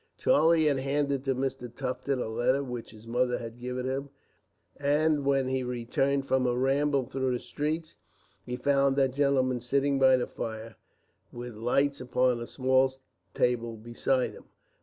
Charlie had handed to Mr. Tufton a letter which his mother had given him, and when he returned from a ramble through the streets, he found that gentleman sitting by the fire, with lights upon a small table beside him.